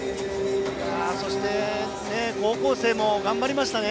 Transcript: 高校生も頑張りましたね。